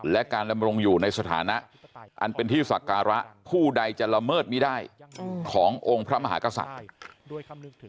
และการดำรงอยู่ในสถานะอันเป็นที่ศักระผู้ใดจะละเมิดไม่ได้ขององค์พระมหากษัตริย์